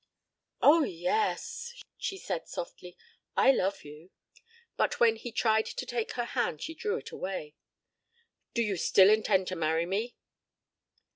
"Oh, yes," she said softly. "I love you." But when he tried to take her hand she drew it away. "Do you still intend to marry me?"